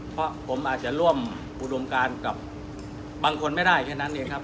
เพราะผมอาจจะร่วมอุดมการกับบางคนไม่ได้แค่นั้นเองครับ